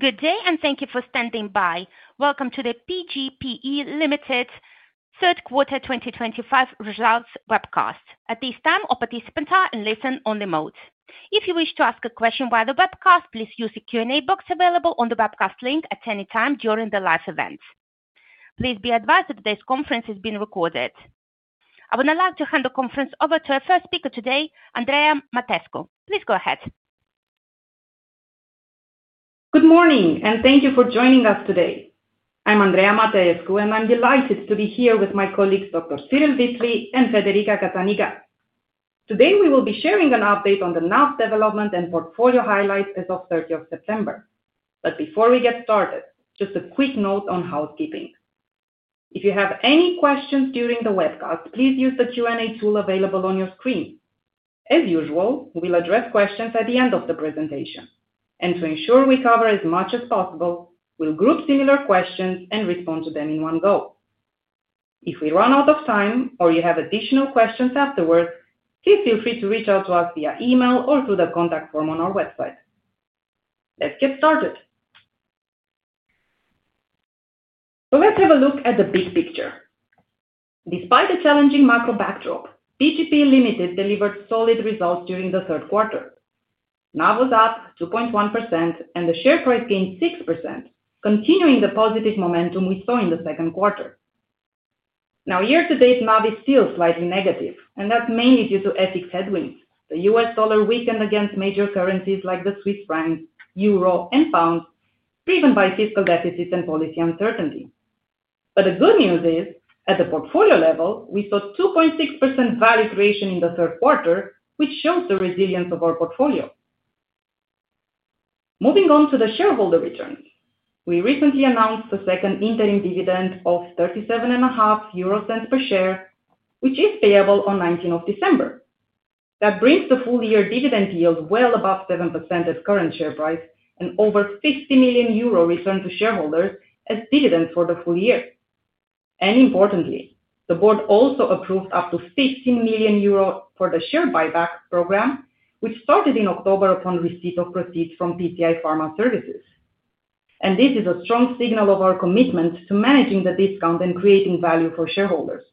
Good day, and thank you for standing by. Welcome to the PGPE Limited Third Quarter 2025 Results Webcast. At this time, all participants are in listen-only mode. If you wish to ask a question via the webcast, please use the Q&A box available on the webcast link at any time during the live event. Please be advised that this conference is being recorded. I would now like to hand the conference over to our first speaker today, Andreea Mateescu. Please go ahead. Good morning, and thank you for joining us today. I'm Andreea Mateescu, and I'm delighted to be here with my colleagues, Dr. Cyrill Wipfli and Federica Cazzaniga. Today, we will be sharing an update on the NAV development and portfolio highlights as of 30 of September. Before we get started, just a quick note on housekeeping. If you have any questions during the webcast, please use the Q&A tool available on your screen. As usual, we'll address questions at the end of the presentation. To ensure we cover as much as possible, we'll group similar questions and respond to them in one go. If we run out of time or you have additional questions afterwards, please feel free to reach out to us via email or through the contact form on our website. Let's get started. Let's have a look at the big picture. Despite a challenging macro backdrop, PGPE Limited delivered solid results during the third quarter. NAV was up 2.1%, and the share price gained 6%, continuing the positive momentum we saw in the second quarter. Now, year-to-date, NAV is still slightly negative, and that's mainly due to FX headwinds. The US dollar weakened against major currencies like the Swiss franc, euro, and pound, driven by fiscal deficits and policy uncertainty. The good news is, at the portfolio level, we saw 2.6% value creation in the third quarter, which shows the resilience of our portfolio. Moving on to the shareholder returns, we recently announced the second interim dividend of 0.375 per share, which is payable on 19 of December. That brings the full-year dividend yield well above 7% of current share price and over 50 million euro returned to shareholders as dividends for the full year. Importantly, the board also approved up to 15 million euro for the share buyback program, which started in October upon receipt of receipts from PCI Pharma Services. This is a strong signal of our commitment to managing the discount and creating value for shareholders.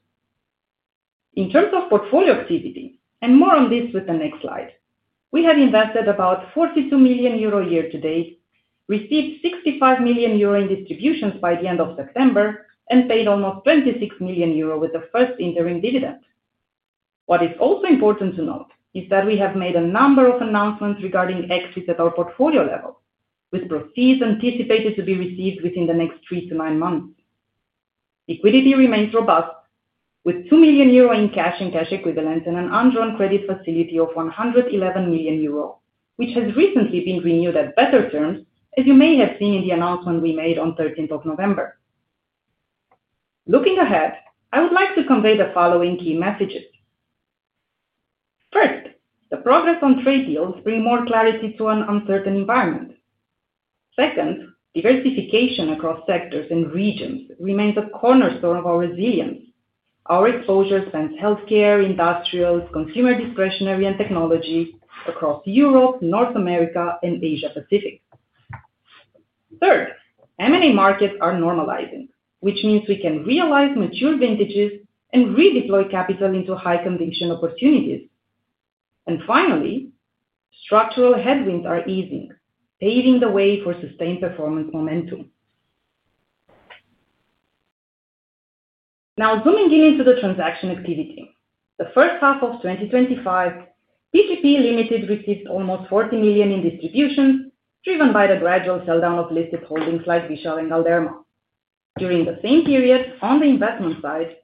In terms of portfolio activity, and more on this with the next slide, we have invested about 42 million euro year-to-date, received 65 million euro in distributions by the end of September, and paid almost 26 million euro with the first interim dividend. What is also important to note is that we have made a number of announcements regarding exits at our portfolio level, with proceeds anticipated to be received within the next three to nine months. Liquidity remains robust, with 2 million euro in cash and cash equivalents and an undrawn credit facility of 111 million euro, which has recently been renewed at better terms, as you may have seen in the announcement we made on 13 November. Looking ahead, I would like to convey the following key messages. First, the progress on trade deals brings more clarity to an uncertain environment. Second, diversification across sectors and regions remains a cornerstone of our resilience. Our exposure spans healthcare, industrials, consumer discretionary, and technology across Europe, North America, and Asia-Pacific. Third, M&A markets are normalizing, which means we can realize mature vintages and redeploy capital into high-condition opportunities. Finally, structural headwinds are easing, paving the way for sustained performance momentum. Now, zooming in into the transaction activity. The first half of 2025, PGPE Limited received almost 40 million in distributions, driven by the gradual sell-down of listed holdings like Vishal and Galderma. During the same period, on the investment side,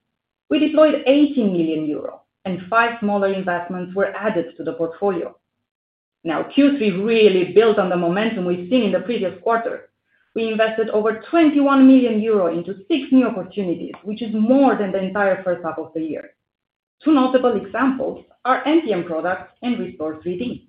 we deployed 18 million euro, and five smaller investments were added to the portfolio. Now, Q3 really built on the momentum we've seen in the previous quarter. We invested over 21 million euro into six new opportunities, which is more than the entire first half of the year. Two notable examples are NPM Products and Restor3d.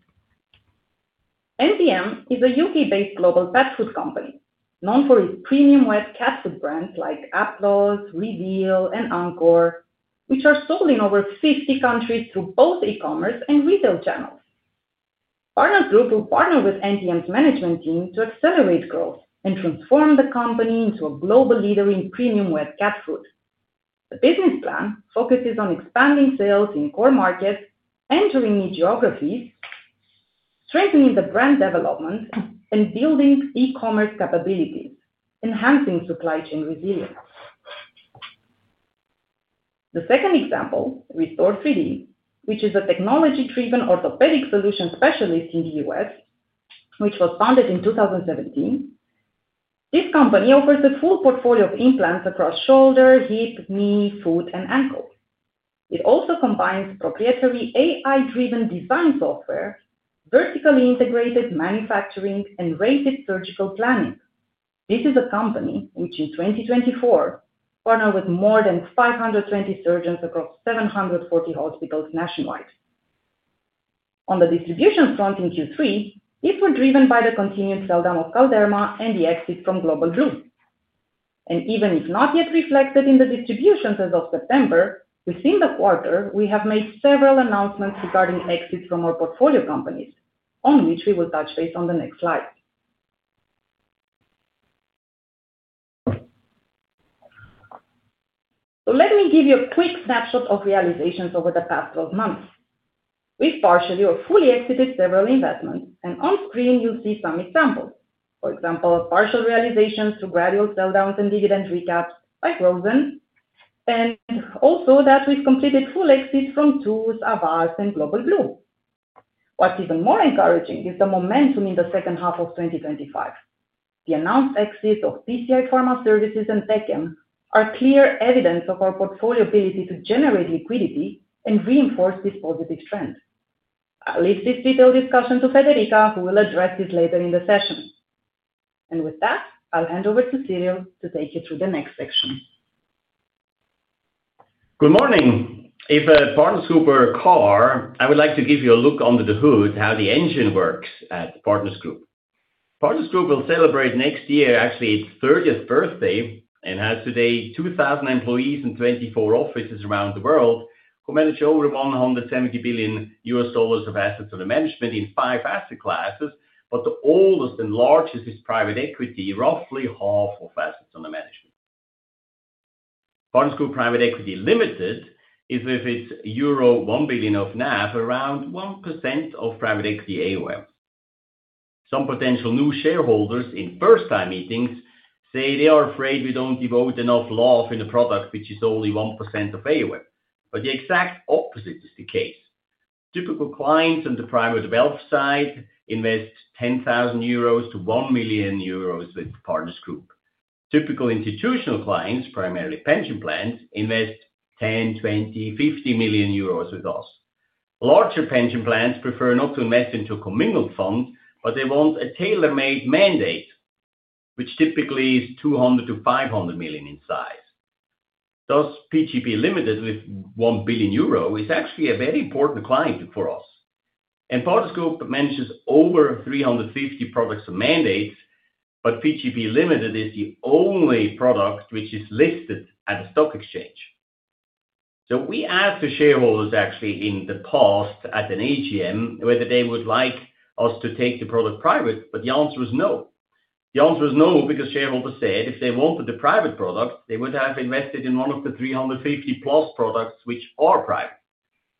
NPM is a U.K.-based global pet food company known for its premium wet cat food brands like Aptos, Reveal, and Encore, which are sold in over 50 countries through both e-commerce and retail channels. Barnett Group will partner with NPM's management team to accelerate growth and transform the company into a global leader in premium wet cat food. The business plan focuses on expanding sales in core markets, entering new geographies, strengthening the brand development, and building e-commerce capabilities, enhancing supply chain resilience. The second example, Restor3d, which is a technology-driven orthopedic solution specialist in the U.S., was founded in 2017. This company offers a full portfolio of implants across shoulder, hip, knee, foot, and ankle. It also combines proprietary AI-driven design software, vertically integrated manufacturing, and rated surgical planning. This is a company which, in 2024, partnered with more than 520 surgeons across 740 hospitals nationwide. On the distribution front in Q3, it was driven by the continued sell-down of Galderma and the exit from Global Blue. Even if not yet reflected in the distributions as of September, within the quarter, we have made several announcements regarding exits from our portfolio companies, on which we will touch base on the next slide. Let me give you a quick snapshot of realizations over the past 12 months. We've partially or fully exited several investments, and on screen, you'll see some examples. For example, partial realizations through gradual sell-downs and dividend recaps by Frozen, and also that we've completed full exits from Tools, Avast, and Global Blue. What's even more encouraging is the momentum in the second half of 2025. The announced exits of PCI Pharma Services and Beckham are clear evidence of our portfolio ability to generate liquidity and reinforce this positive trend. I'll leave this detailed discussion to Federica, who will address this later in the session. With that, I'll hand over to Cyrill to take you through the next section. Good morning. If Partners Group are a car, I would like to give you a look under the hood, how the engine works at Partners Group. Partners Group will celebrate next year, actually, its 30th birthday and has today 2,000 employees and 24 offices around the world who manage over $170 billion of assets under management in five asset classes. The oldest and largest is private equity, roughly half of assets under management. Partners Group Private Equity Limited is with its euro 1 billion of NAV, around 1% of private equity AUMs. Some potential new shareholders in first-time meetings say they are afraid we do not devote enough love in the product, which is only 1% of AUM. The exact opposite is the case. Typical clients on the private wealth side invest 10,000 euros to 1 million euros with Partners Group. Typical institutional clients, primarily pension plans, invest 10 million, 20 million, 50 million euros with us. Larger pension plans prefer not to invest into a commingled fund, but they want a tailor-made mandate, which typically is 200 million-500 million in size. Thus, PGPE Limited with 1 billion euro is actually a very important client for us. Partners Group manages over 350 products and mandates, but PGPE Limited is the only product which is listed at the stock exchange. We asked the shareholders, actually, in the past at an AGM whether they would like us to take the product private, but the answer was no. The answer was no because shareholders said if they wanted the private product, they would have invested in one of the 350+ products which are private.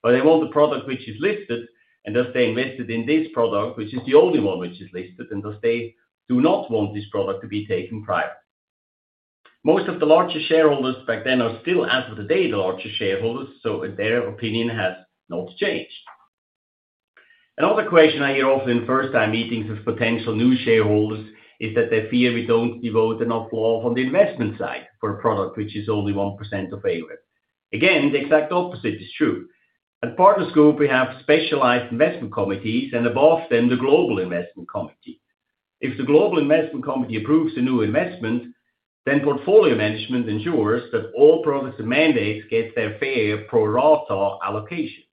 They want the product which is listed, and thus they invested in this product, which is the only one which is listed, and thus they do not want this product to be taken private. Most of the larger shareholders back then are still, as of today, the larger shareholders, so their opinion has not changed. Another question I hear often in first-time meetings of potential new shareholders is that they fear we do not devote enough love on the investment side for a product which is only 1% of AUM. Again, the exact opposite is true. At Partners Group, we have specialized investment committees, and above them, the Global Investment Committee. If the Global Investment Committee approves a new investment, then portfolio management ensures that all products and mandates get their fair pro-rata allocation.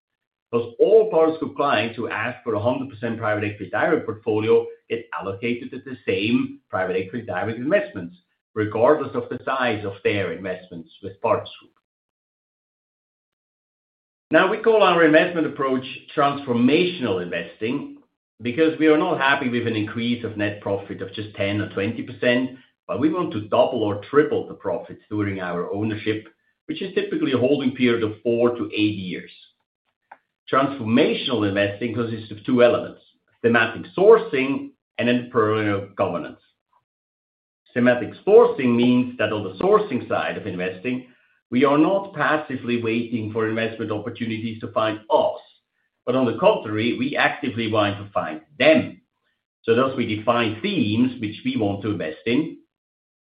Thus, all Partners Group clients who ask for a 100% private equity direct portfolio get allocated to the same private equity direct investments, regardless of the size of their investments with Partners Group. Now, we call our investment approach transformational investing because we are not happy with an increase of net profit of just 10% or 20%, but we want to double or triple the profits during our ownership, which is typically a holding period of four to eight years. Transformational investing consists of two elements: thematic sourcing and empirical governance. Thematic sourcing means that on the sourcing side of investing, we are not passively waiting for investment opportunities to find us, but on the contrary, we actively want to find them. Thus, we define themes which we want to invest in,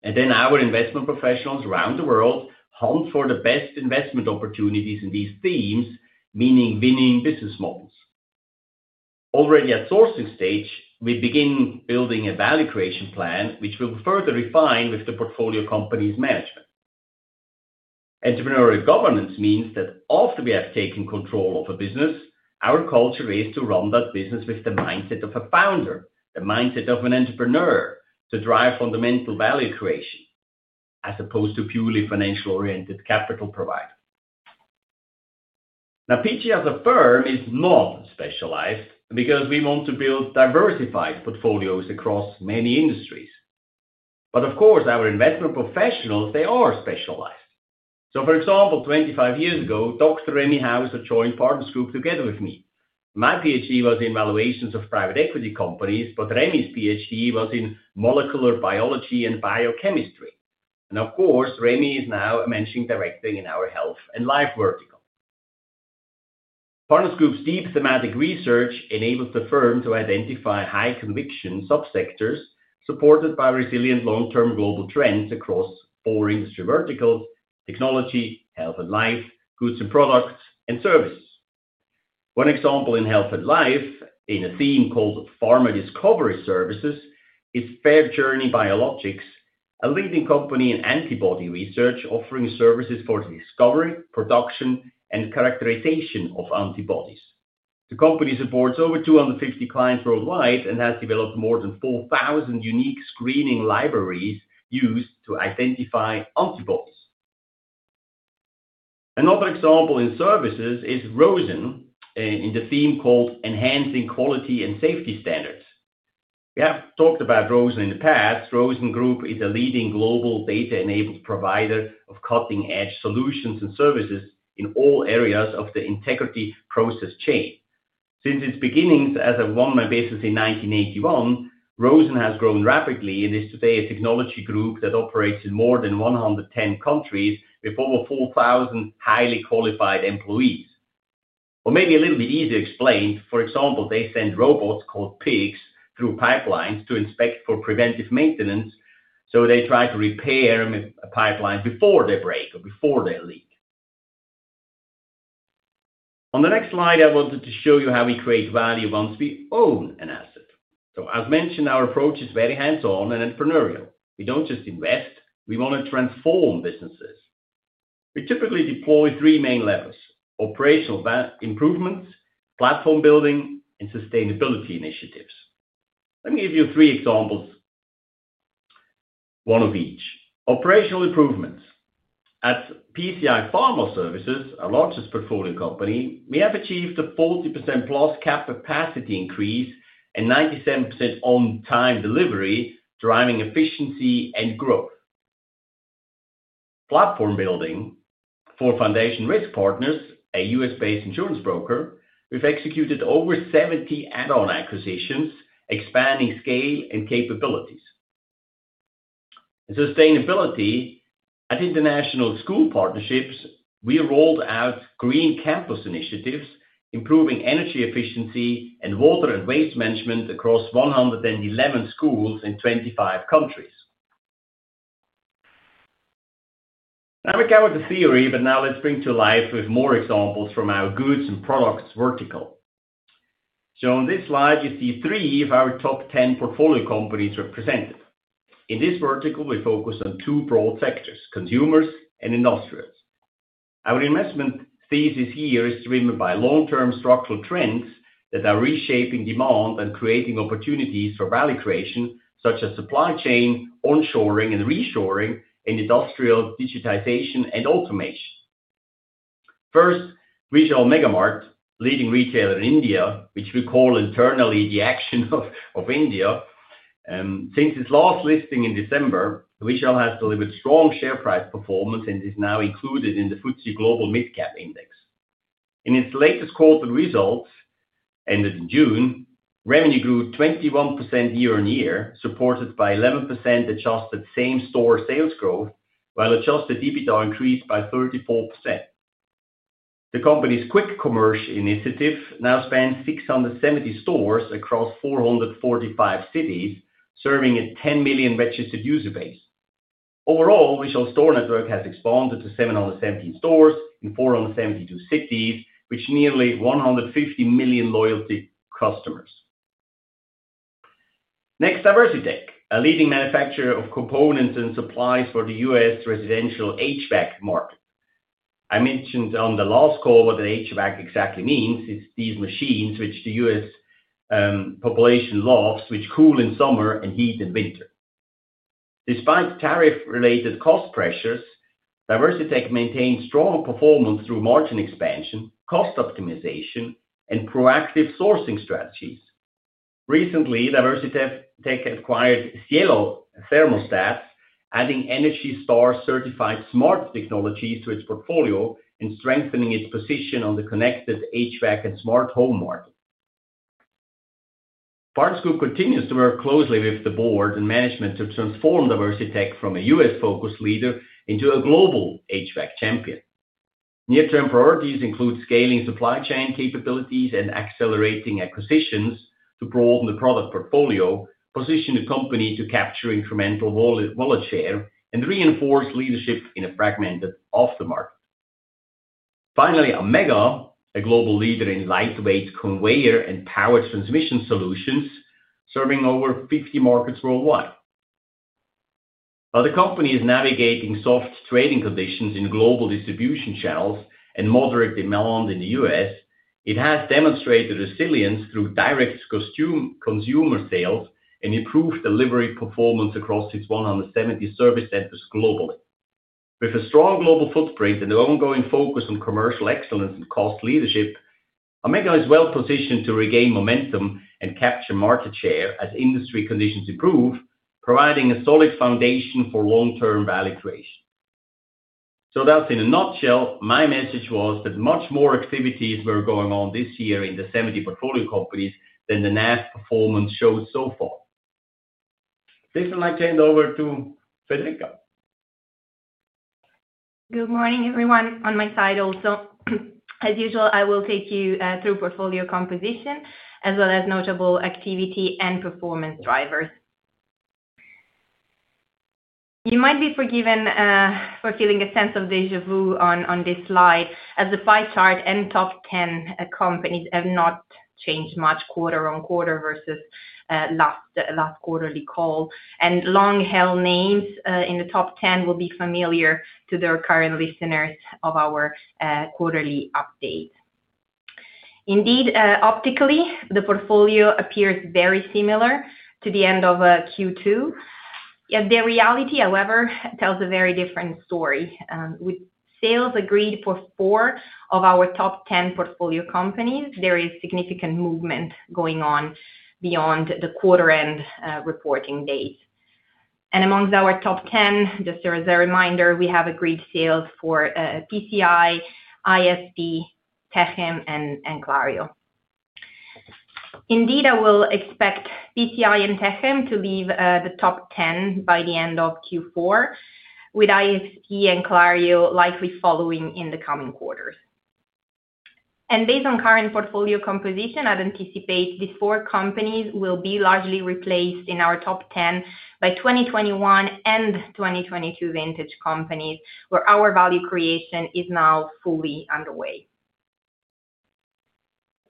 and then our investment professionals around the world hunt for the best investment opportunities in these themes, meaning winning business models. Already at sourcing stage, we begin building a value creation plan, which we will further refine with the portfolio company's management. Entrepreneurial governance means that after we have taken control of a business, our culture is to run that business with the mindset of a founder, the mindset of an entrepreneur, to drive fundamental value creation, as opposed to purely financial-oriented capital providing. Now, PG as a firm is not specialized because we want to build diversified portfolios across many industries. Of course, our investment professionals, they are specialized. For example, 25 years ago, Dr. Remy House had joined Partners Group together with me. My PhD was in valuations of private equity companies, but Remy's PhD was in molecular biology and biochemistry. Of course, Remy is now a Managing Director in our health and life vertical. Partners Group's deep thematic research enables the firm to identify high-conviction subsectors supported by resilient long-term global trends across four industry verticals: technology, health and life, goods and products, and services. One example in health and life, in a theme called Pharma Discovery Services, is FairJourney Biologics, a leading company in antibody research offering services for the discovery, production, and characterization of antibodies. The company supports over 250 clients worldwide and has developed more than 4,000 unique screening libraries used to identify antibodies. Another example in services is ROSEN Group in the theme called Enhancing Quality and Safety Standards. We have talked about ROSEN Group in the past. ROSEN Group is a leading global data-enabled provider of cutting-edge solutions and services in all areas of the integrity process chain. Since its beginnings as a one-man business in 1981, ROSEN Group has grown rapidly and is today a technology group that operates in more than 110 countries with over 4,000 highly qualified employees. Or maybe a little bit easier explained, for example, they send robots called pigs through pipelines to inspect for preventive maintenance, so they try to repair a pipeline before they break or before they leak. On the next slide, I wanted to show you how we create value once we own an asset. As mentioned, our approach is very hands-on and entrepreneurial. We do not just invest; we want to transform businesses. We typically deploy three main levels: operational improvements, platform building, and sustainability initiatives. Let me give you three examples, one of each. Operational improvements. At PCI Pharma Services, our largest portfolio company, we have achieved a 40%+ capacity increase and 97% on-time delivery, driving efficiency and growth. Platform building. For Foundation Risk Partners, a US-based insurance broker, we've executed over 70 add-on acquisitions, expanding scale and capabilities. Sustainability. At International School Partnerships, we rolled out green campus initiatives, improving energy efficiency and water and waste management across 111 schools in 25 countries. Now we covered the theory, but now let's bring to life with more examples from our goods and products vertical. On this slide, you see three of our top 10 portfolio companies represented. In this vertical, we focus on two broad sectors: consumers and industrials. Our investment thesis here is driven by long-term structural trends that are reshaping demand and creating opportunities for value creation, such as supply chain, onshoring and reshoring, and industrial digitization and automation. First, Vishal Mega Mart, leading retailer in India, which we call internally the action of India. Since its last listing in December, Vishal has delivered strong share price performance and is now included in the FTSE Global Midcap Index. In its latest quarter results, ended in June, revenue grew 21% year-on-year, supported by 11% adjusted same-store sales growth, while adjusted EBITDA increased by 34%. The company's quick commerce initiative now spans 670 stores across 445 cities, serving a 10 million registered user base. Overall, Vishal's store network has expanded to 717 stores in 472 cities, reaching nearly 150 million loyalty customers. Next, DiversiTech, a leading manufacturer of components and supplies for the U.S. residential HVAC market. I mentioned on the last call what an HVAC exactly means. It's these machines which the U.S. population loves, which cool in summer and heat in winter. Despite tariff-related cost pressures, DiversiTech maintains strong performance through margin expansion, cost optimization, and proactive sourcing strategies. Recently, DiversiTech acquired Cielo Thermostats, adding Energy Star certified smart technologies to its portfolio and strengthening its position in the connected HVAC and smart home market. Partners Group continues to work closely with the board and management to transform DiversiTech from a US-focused leader into a global HVAC champion. Near-term priorities include scaling supply chain capabilities and accelerating acquisitions to broaden the product portfolio, positioning the company to capture incremental volatile share and reinforce leadership in a fragmented aftermarket. Finally, Omega, a global leader in lightweight conveyor and power transmission solutions, serves over 50 markets worldwide. While the company is navigating soft trading conditions in global distribution channels and moderate demand in the U.S., it has demonstrated resilience through direct consumer sales and improved delivery performance across its 170 service centers globally. With a strong global footprint and the ongoing focus on commercial excellence and cost leadership, Omega is well positioned to regain momentum and capture market share as industry conditions improve, providing a solid foundation for long-term value creation. That is in a nutshell. My message was that much more activities were going on this year in the 70 portfolio companies than the NAV performance showed so far. I'd like to hand over to Federica. Good morning, everyone, on my side also. As usual, I will take you through portfolio composition as well as notable activity and performance drivers. You might be forgiven for feeling a sense of déjà vu on this slide, as the pie chart and top 10 companies have not changed much quarter on quarter versus last quarterly call. Long-held names in the top 10 will be familiar to the current listeners of our quarterly update. Indeed, optically, the portfolio appears very similar to the end of Q2. Yet the reality, however, tells a very different story. With sales agreed for four of our top 10 portfolio companies, there is significant movement going on beyond the quarter-end reporting date. Amongst our top 10, just as a reminder, we have agreed sales for PCI, ISP, Techem, and Clario. Indeed, I will expect PCI and Techem to leave the top 10 by the end of Q4, with ISP and Clario likely following in the coming quarters. Based on current portfolio composition, I'd anticipate these four companies will be largely replaced in our top 10 by 2021 and 2022 vintage companies, where our value creation is now fully underway.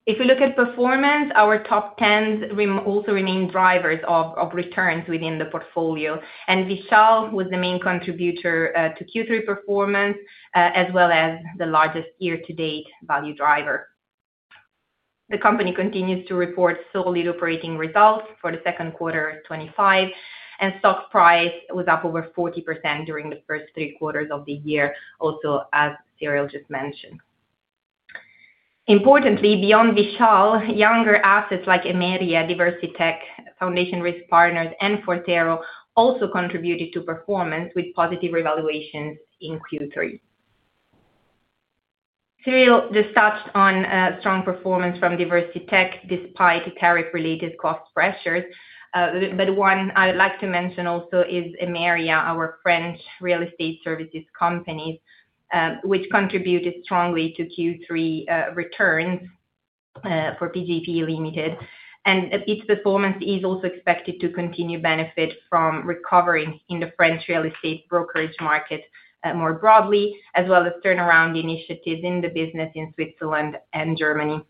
If we look at performance, our top 10s also remain drivers of returns within the portfolio, and Vishal was the main contributor to Q3 performance as well as the largest year-to-date value driver. The company continues to report solid operating results for the second quarter 2025, and stock price was up over 40% during the first three quarters of the year, also as Cyrill just mentioned. Importantly, beyond Vishal, younger assets like Emeria, DiversiTech, Foundation Risk Partners, and Fortero also contributed to performance with positive revaluations in Q3. Cyrill just touched on strong performance from DiversiTech despite tariff-related cost pressures. One I'd like to mention also is Emeria, our French real estate services company, which contributed strongly to Q3 returns for PGPE Limited. Its performance is also expected to continue to benefit from recovery in the French real estate brokerage market more broadly, as well as turnaround initiatives in the business in Switzerland and Germany.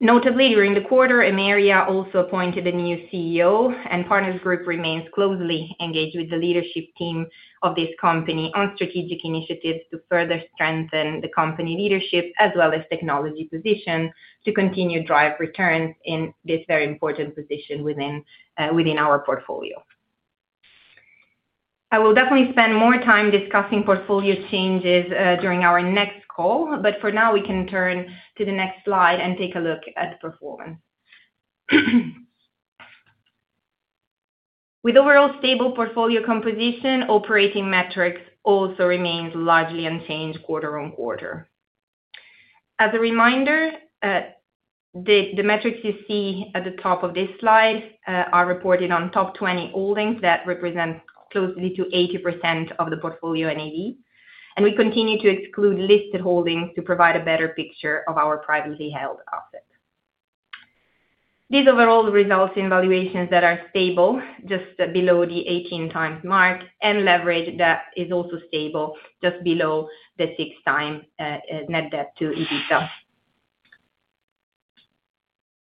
Notably, during the quarter, Emeria also appointed a new CEO, and Partners Group remains closely engaged with the leadership team of this company on strategic initiatives to further strengthen the company leadership as well as technology position to continue to drive returns in this very important position within our portfolio. I will definitely spend more time discussing portfolio changes during our next call, but for now, we can turn to the next slide and take a look at the performance. With overall stable portfolio composition, operating metrics also remained largely unchanged quarter-on-quarter. As a reminder, the metrics you see at the top of this slide are reported on top 20 holdings that represent closely to 80% of the portfolio NAV. We continue to exclude listed holdings to provide a better picture of our privately held assets. These overall results in valuations that are stable, just below the 18 times mark, and leverage that is also stable, just below the 6 times net debt to EBITDA.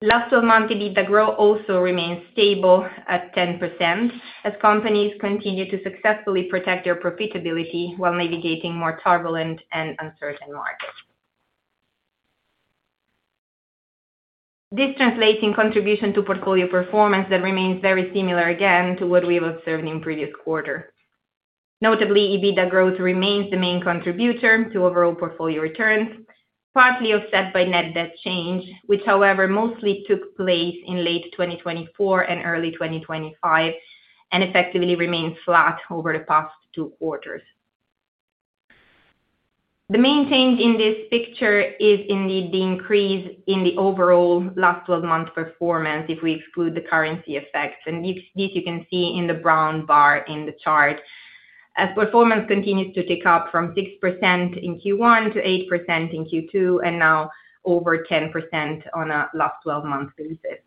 Last 12 months, EBITDA growth also remains stable at 10% as companies continue to successfully protect their profitability while navigating more turbulent and uncertain markets. This translates in contribution to portfolio performance that remains very similar again to what we have observed in previous quarter. Notably, EBITDA growth remains the main contributor to overall portfolio returns, partly offset by net debt change, which, however, mostly took place in late 2024 and early 2025 and effectively remains flat over the past two quarters. The main change in this picture is indeed the increase in the overall last 12-month performance if we exclude the currency effects. This, you can see in the brown bar in the chart as performance continues to tick up from 6% in Q1 to 8% in Q2 and now over 10% on a last 12-month basis.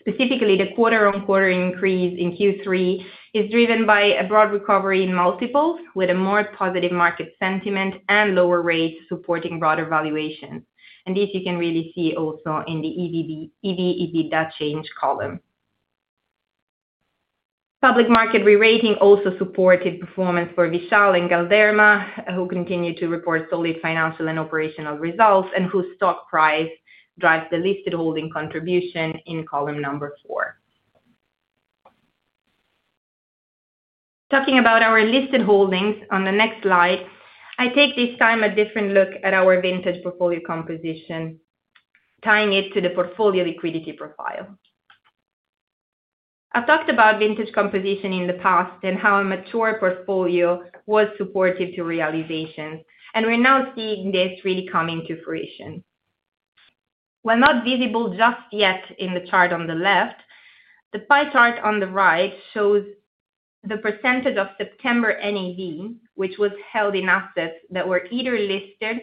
Specifically, the quarter-on-quarter increase in Q3 is driven by a broad recovery in multiples, with a more positive market sentiment and lower rates supporting broader valuations. This, you can really see also in the EV/EBITDA change column. Public market re-rating also supported performance for Vishal and Galderma, who continue to report solid financial and operational results and whose stock price drives the listed holding contribution in column number four. Talking about our listed holdings on the next slide, I take this time a different look at our vintage portfolio composition, tying it to the portfolio liquidity profile. I have talked about vintage composition in the past and how a mature portfolio was supportive to realizations, and we are now seeing this really coming to fruition. While not visible just yet in the chart on the left, the pie chart on the right shows the percentage of September NAV, which was held in assets that were either listed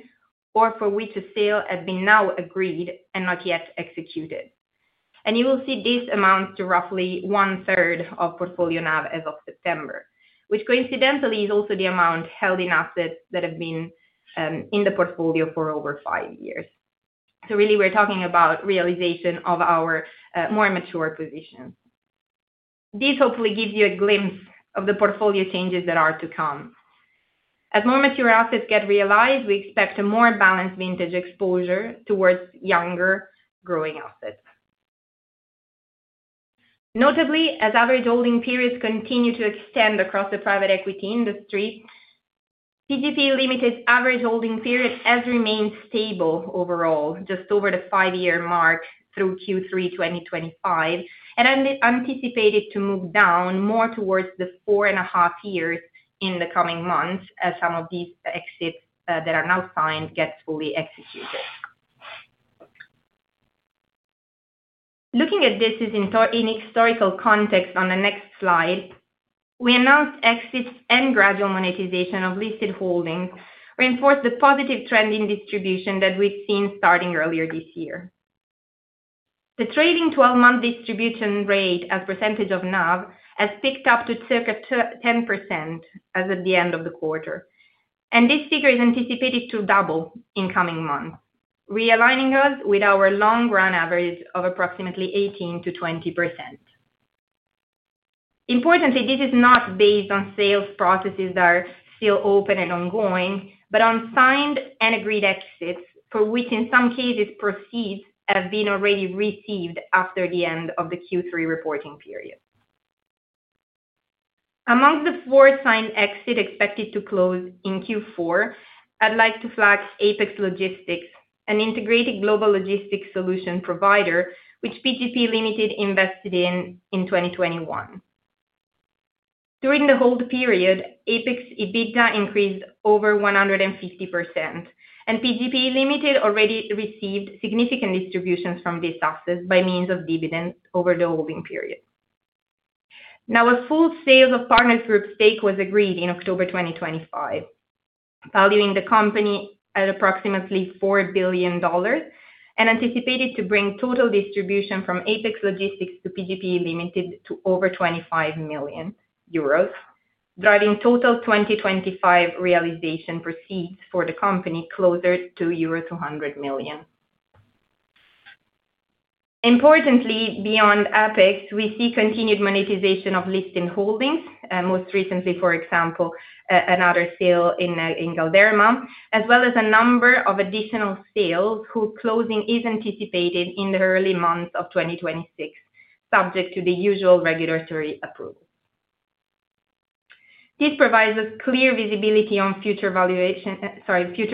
or for which a sale had been now agreed and not yet executed. You will see this amounts to roughly one-third of portfolio NAV as of September, which coincidentally is also the amount held in assets that have been in the portfolio for over five years. Really, we're talking about realization of our more mature positions. This hopefully gives you a glimpse of the portfolio changes that are to come. As more mature assets get realized, we expect a more balanced vintage exposure towards younger growing assets. Notably, as average holding periods continue to extend across the private equity industry, PGPE Limited's average holding period has remained stable overall, just over the five-year mark through Q3 2025, and I'm anticipated to move down more towards the four and a half years in the coming months as some of these exits that are now signed get fully executed. Looking at this in historical context on the next slide, we announced exits and gradual monetization of listed holdings reinforced the positive trend in distribution that we've seen starting earlier this year. The trailing 12-month distribution rate as percentage of NAV has picked up to circa 10% as of the end of the quarter. This figure is anticipated to double in coming months, realigning us with our long-run average of approximately 18%-20%. Importantly, this is not based on sales processes that are still open and ongoing, but on signed and agreed exits for which, in some cases, proceeds have been already received after the end of the Q3 reporting period. Amongst the four signed exits expected to close in Q4, I'd like to flag Apex Logistics, an integrated global logistics solution provider which PGPE Limited invested in in 2021. During the hold period, Apex EBITDA increased over 150%, and PGPE Limited already received significant distributions from these assets by means of dividends over the holding period. Now, a full sale of Partners Group's stake was agreed in October 2025, valuing the company at approximately $4 billion and anticipated to bring total distribution from Apex Logistics to PGPE Limited to over 25 million euros, driving total 2025 realization proceeds for the company closer to euro 200 million. Importantly, beyond Apex, we see continued monetization of listed holdings, most recently, for example, another sale in Galderma, as well as a number of additional sales whose closing is anticipated in the early months of 2026, subject to the usual regulatory approvals. This provides us clear visibility on future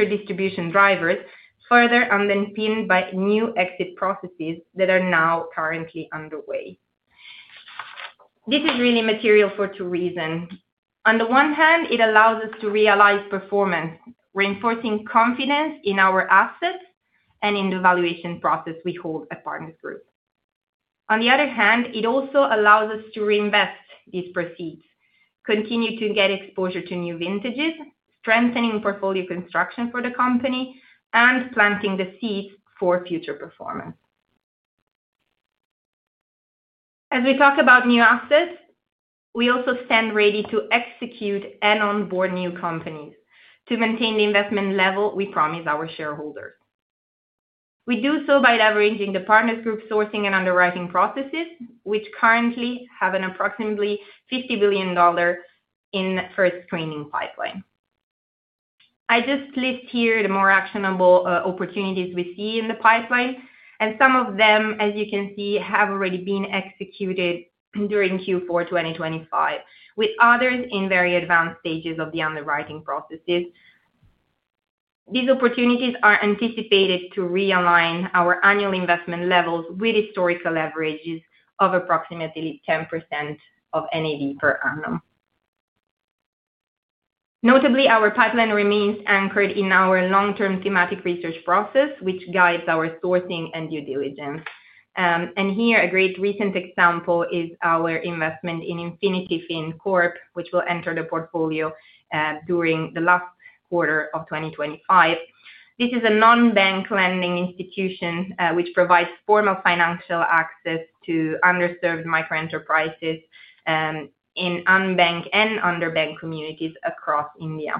distribution drivers, further underpinned by new exit processes that are now currently underway. This is really material for two reasons. On the one hand, it allows us to realize performance, reinforcing confidence in our assets and in the valuation process we hold at Partners Group. On the other hand, it also allows us to reinvest these proceeds, continue to get exposure to new vintages, strengthening portfolio construction for the company, and planting the seeds for future performance. As we talk about new assets, we also stand ready to execute and onboard new companies to maintain the investment level we promised our shareholders. We do so by leveraging the Partners Group sourcing and underwriting processes, which currently have an approximately $50 billion in first screening pipeline. I just list here the more actionable opportunities we see in the pipeline, and some of them, as you can see, have already been executed during Q4 2025, with others in very advanced stages of the underwriting processes. These opportunities are anticipated to realign our annual investment levels with historical leverages of approximately 10% of NAV per annum. Notably, our pipeline remains anchored in our long-term thematic research process, which guides our sourcing and due diligence. A great recent example is our investment in Infinity Fincorp, which will enter the portfolio during the last quarter of 2025. This is a non-bank lending institution which provides formal financial access to underserved microenterprises in unbanked and underbanked communities across India.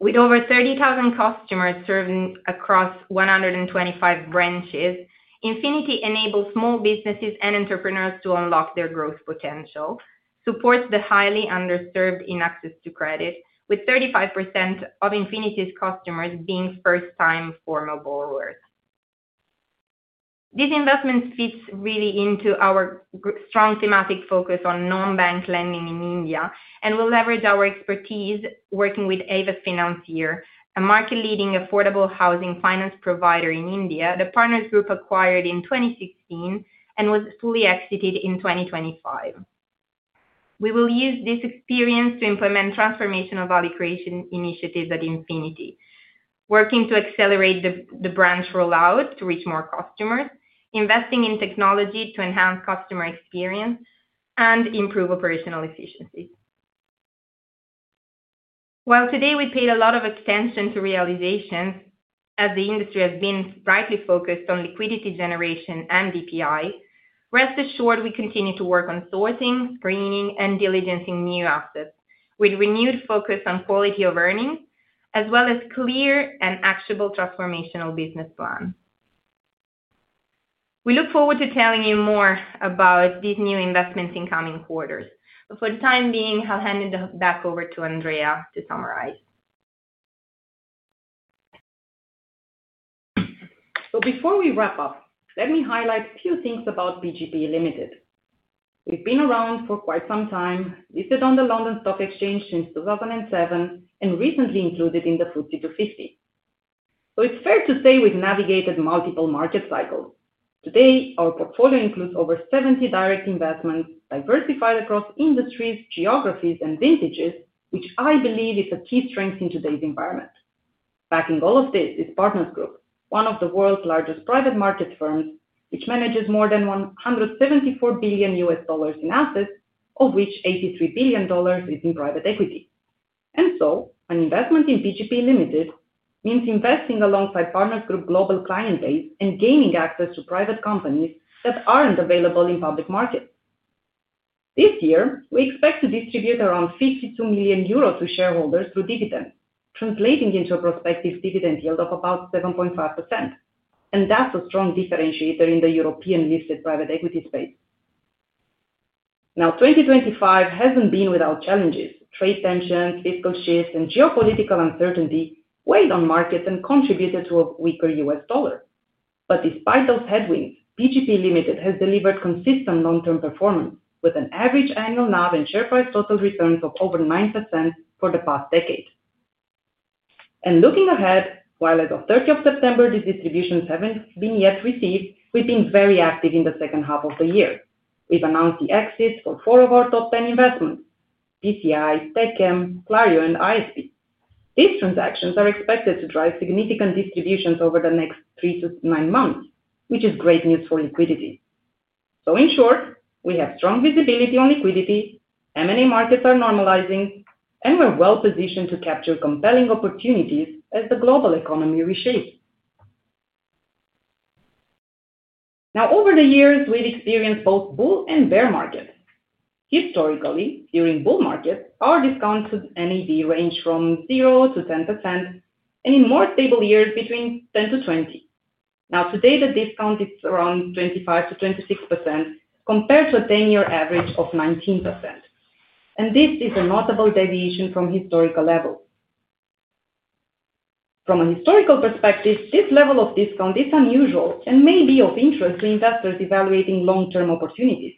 With over 30,000 customers served across 125 branches, Infinity enables small businesses and entrepreneurs to unlock their growth potential, supports the highly underserved in access to credit, with 35% of Infinity's customers being first-time formal borrowers. These investments fit really into our strong thematic focus on non-bank lending in India and will leverage our expertise working with Avis Financier, a market-leading affordable housing finance provider in India that Partners Group acquired in 2016 and was fully exited in 2025. We will use this experience to implement transformational value creation initiatives at Infinity, working to accelerate the branch rollout to reach more customers, investing in technology to enhance customer experience, and improve operational efficiency. While today we paid a lot of attention to realizations as the industry has been rightly focused on liquidity generation and DPI, rest assured we continue to work on sourcing, screening, and diligence in new assets with renewed focus on quality of earnings as well as clear and actionable transformational business plans. We look forward to telling you more about these new investments in coming quarters. For the time being, I'll hand it back over to Andreea to summarize. Before we wrap up, let me highlight a few things about PGPE Limited. We've been around for quite some time, listed on the London Stock Exchange since 2007, and recently included in the FTSE 250. It's fair to say we've navigated multiple market cycles. Today, our portfolio includes over 70 direct investments diversified across industries, geographies, and vintages, which I believe is a key strength in today's environment. Backing all of this is Partners Group, one of the world's largest private market firms, which manages more than $174 billion in assets, of which $83 billion is in private equity. An investment in PGPE Limited means investing alongside Partners Group's global client base and gaining access to private companies that aren't available in public markets. This year, we expect to distribute around 52 million euros to shareholders through dividends, translating into a prospective dividend yield of about 7.5%. That is a strong differentiator in the European listed private equity space. Now, 2025 has not been without challenges. Trade tensions, fiscal shifts, and geopolitical uncertainty weighed on markets and contributed to a weaker US dollar. Despite those headwinds, PGPE Limited has delivered consistent long-term performance with an average annual NAV and share price total returns of over 9% for the past decade. Looking ahead, while as of 30 September, these distributions have not yet been received, we have been very active in the second half of the year. We have announced the exits for four of our top 10 investments: PCI, Techem, Clario, and ISP. These transactions are expected to drive significant distributions over the next three to nine months, which is great news for liquidity. In short, we have strong visibility on liquidity, M&A markets are normalizing, and we're well positioned to capture compelling opportunities as the global economy reshapes. Over the years, we've experienced both bull and bear markets. Historically, during bull markets, our discounts to NAV ranged from 0% to 10%, and in more stable years, between 10%-20%. Today, the discount is around 25%-26% compared to a 10-year average of 19%. This is a notable deviation from historical levels. From a historical perspective, this level of discount is unusual and may be of interest to investors evaluating long-term opportunities.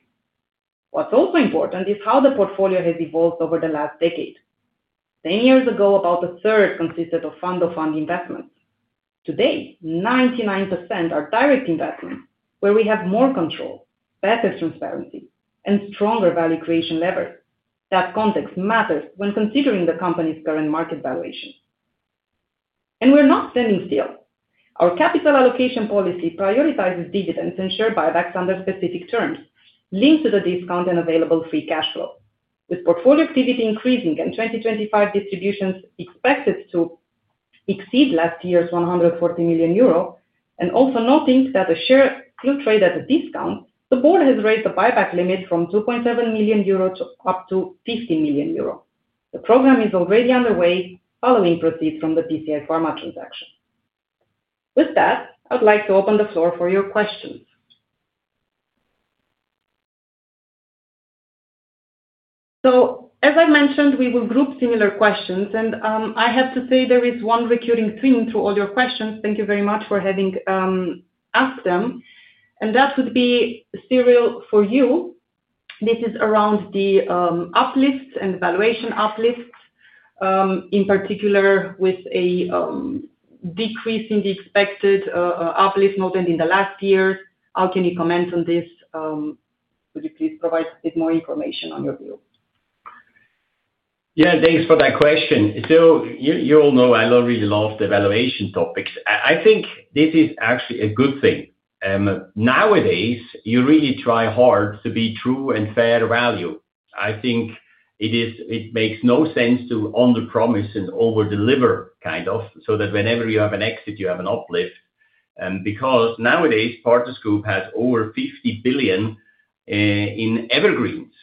What's also important is how the portfolio has evolved over the last decade. Ten years ago, about a third consisted of fund-of-fund investments. Today, 99% are direct investments, where we have more control, better transparency, and stronger value creation levers. That context matters when considering the company's current market valuation. We are not standing still. Our capital allocation policy prioritizes dividends and share buybacks under specific terms, linked to the discount and available free cash flow. With portfolio activity increasing and 2025 distributions expected to exceed last year's 140 million euro, and also noting that the share could trade at a discount, the board has raised the buyback limit from 2.7 million euros to up to 50 million euros. The program is already underway, following proceeds from the PCI Pharma Services transaction. With that, I would like to open the floor for your questions. As I have mentioned, we will group similar questions, and I have to say there is one recurring theme through all your questions. Thank you very much for having asked them. That would be Cyrill for you. This is around the uplifts and valuation uplifts, in particular with a decrease in the expected uplift noted in the last years. How can you comment on this? Would you please provide a bit more information on your view? Yeah, thanks for that question. You all know I really love the valuation topics. I think this is actually a good thing. Nowadays, you really try hard to be true and fair value. I think it makes no sense to underpromise and overdeliver, kind of, so that whenever you have an exit, you have an uplift. Because nowadays, Partners Group has over $50 billion in evergreens.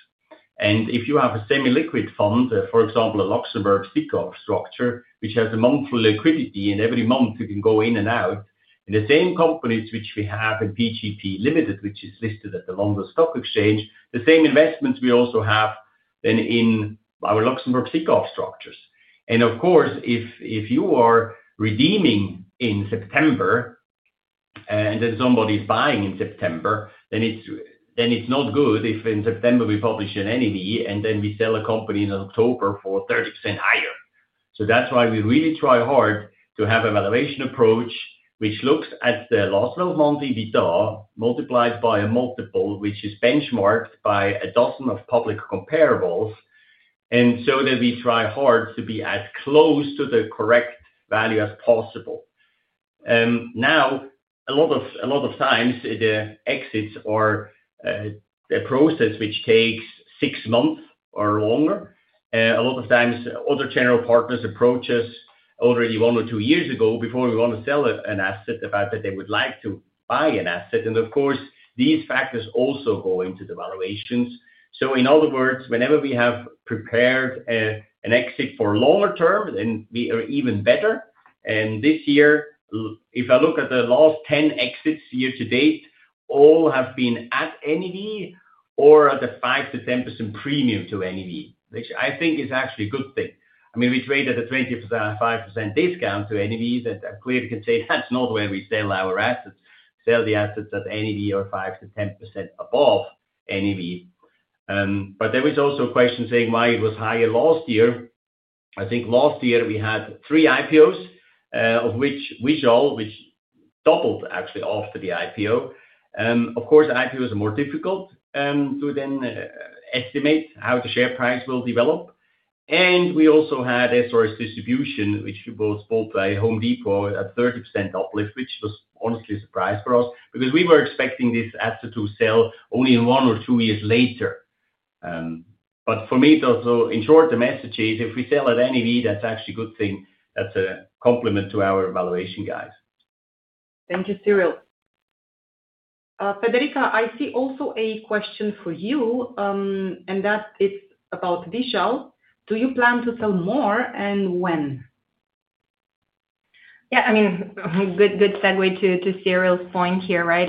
If you have a semi-liquid fund, for example, a Luxembourg SICAV structure, which has a monthly liquidity, and every month you can go in and out, in the same companies which we have in PGPE Limited, which is listed at the London Stock Exchange, the same investments we also have in our Luxembourg SICAV structures. Of course, if you are redeeming in September and then somebody is buying in September, then it's not good if in September we publish an NAV and then we sell a company in October for 30% higher. That's why we really try hard to have a valuation approach which looks at the last twelve months' EBITDA multiplied by a multiple which is benchmarked by a dozen of public comparables, and so that we try hard to be as close to the correct value as possible. Now, a lot of times, the exits are a process which takes six months or longer. A lot of times, other general partners approach us already one or two years ago before we want to sell an asset, the fact that they would like to buy an asset. Of course, these factors also go into the valuations. In other words, whenever we have prepared an exit for longer term, then we are even better. This year, if I look at the last 10 exits year to date, all have been at NAV or at a 5%-10% premium to NAV, which I think is actually a good thing. I mean, we trade at a 25% discount to NAV, that I clearly can say that's not where we sell our assets, sell the assets at NAV or 5%-10% above NAV. There was also a question saying why it was higher last year. I think last year we had three IPOs, of which Vishal, which doubled actually after the IPO. Of course, IPOs are more difficult to then estimate how the share price will develop. We also had SRS Distribution, which was bought by Home Depot at a 30% uplift, which was honestly a surprise for us because we were expecting this asset to sell only one or two years later. For me, in short, the message is if we sell at NAV, that's actually a good thing. That's a compliment to our valuation guys. Thank you, Cyrill. Federica, I see also a question for you, and that is about Vishal. Do you plan to sell more and when? Yeah, I mean, good segue to Cyrill's point here, right?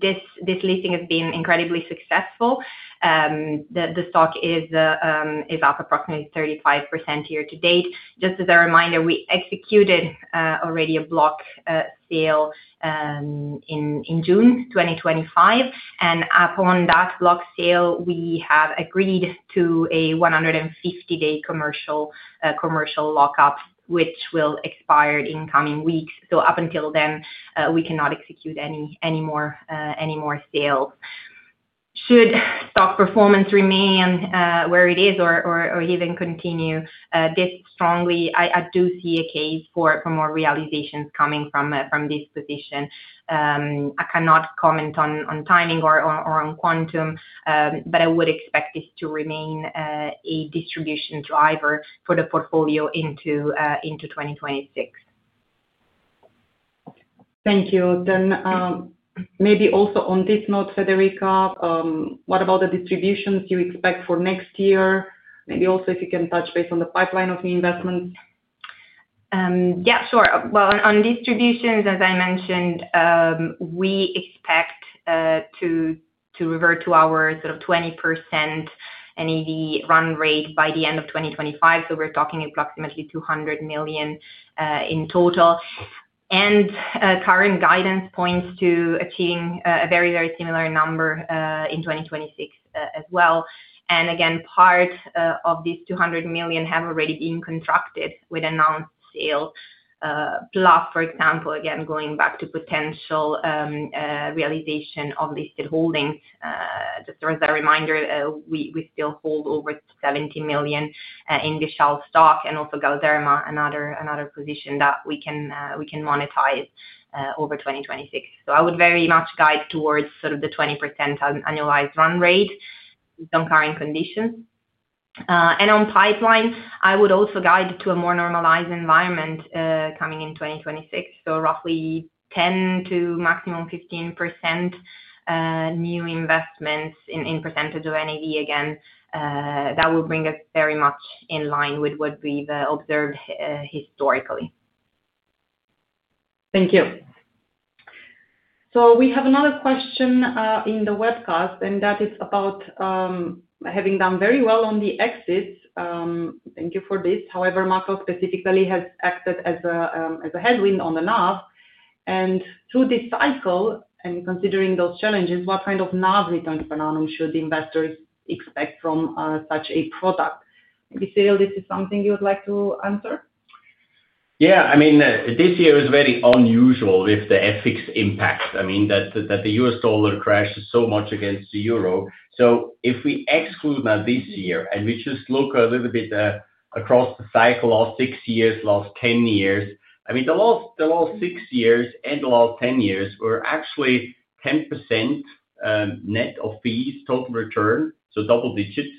This listing has been incredibly successful. The stock is up approximately 35% year to date. Just as a reminder, we executed already a block sale in June 2025. Upon that block sale, we have agreed to a 150-day commercial lockup, which will expire in coming weeks. Up until then, we cannot execute any more sales. Should stock performance remain where it is or even continue this strongly, I do see a case for more realizations coming from this position. I cannot comment on timing or on quantum, but I would expect this to remain a distribution driver for the portfolio into 2026. Thank you. Maybe also on this note, Federica, what about the distributions you expect for next year? Maybe also if you can touch base on the pipeline of new investments. Yeah, sure. On distributions, as I mentioned, we expect to revert to our sort of 20% NAV run rate by the end of 2025. We are talking approximately $200 million in total. Current guidance points to achieving a very, very similar number in 2026 as well. Part of these $200 million have already been constructed with announced sales, plus, for example, again, going back to potential realization of listed holdings. Just as a reminder, we still hold over $70 million in Vishal stock and also Galderma, another position that we can monetize over 2026. I would very much guide towards sort of the 20% annualized run rate on current conditions. On pipeline, I would also guide to a more normalized environment coming in 2026. Roughly 10% to maximum 15% new investments in percentage of NAV, again, that will bring us very much in line with what we've observed historically. Thank you. We have another question in the webcast, and that is about having done very well on the exits. Thank you for this. However, macro specifically has acted as a headwind on the NAV. Through this cycle, and considering those challenges, what kind of NAV returns per annum should investors expect from such a product? Maybe Cyrill, this is something you would like to answer? Yeah, I mean, this year is very unusual with the FX impact. I mean, that the US dollar crashes so much against the euro. If we exclude now this year and we just look a little bit across the cycle, last six years, last 10 years, I mean, the last six years and the last 10 years were actually 10% net of fees, total return, so double digits.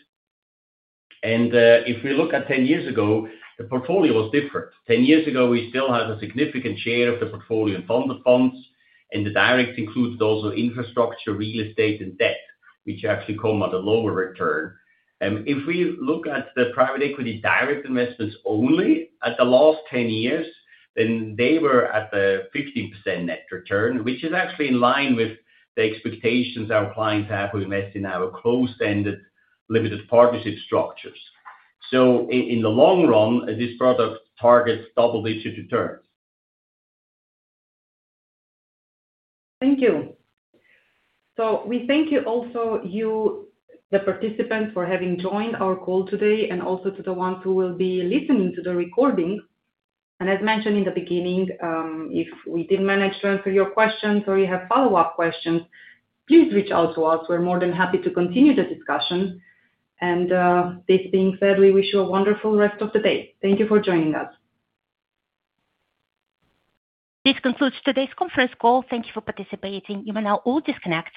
If we look at 10 years ago, the portfolio was different. 10 years ago, we still had a significant share of the portfolio in fund-of-funds, and the direct includes also infrastructure, real estate, and debt, which actually come at a lower return. If we look at the private equity direct investments only at the last 10 years, then they were at the 15% net return, which is actually in line with the expectations our clients have who invest in our closed-ended limited partnership structures. In the long run, this product targets double-digit returns. Thank you. We thank you also, you, the participants, for having joined our call today, and also to the ones who will be listening to the recording. As mentioned in the beginning, if we did not manage to answer your questions or you have follow-up questions, please reach out to us. We are more than happy to continue the discussion. This being said, we wish you a wonderful rest of the day. Thank you for joining us. This concludes today's conference call. Thank you for participating. You may now all disconnect.